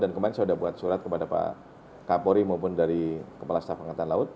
dan kemarin saya sudah buat surat kepada pak kapori maupun dari kepala staf angkatan laut